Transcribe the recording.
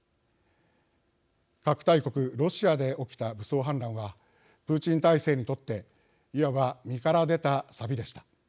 核大国ロシアで起きた武装反乱はプーチン体制にとっていわば、身から出たさびでした。